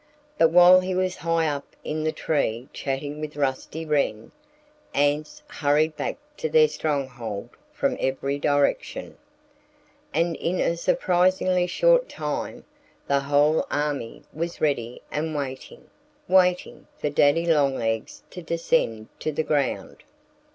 But while he was high up in the tree chatting with Rusty Wren, ants hurried back to their stronghold from every direction. And in a surprisingly short time the whole army was ready and waiting waiting for Daddy Longlegs to descend to the ground.